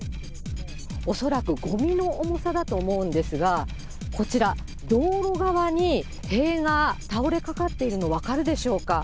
恐らくごみの重さだと思うんですが、こちら、道路側に塀が倒れかかっているの、分かるでしょうか。